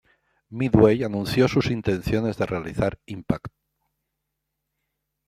Midway anunció sus intenciones de realizar "Impact!